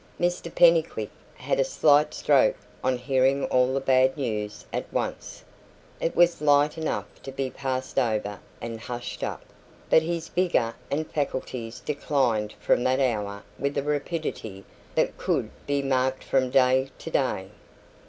Mr Pennycuick had a slight "stroke" on hearing all the bad news at once. It was light enough to be passed over and hushed up, but his vigour and faculties declined from that hour with a rapidity that could be marked from day to day.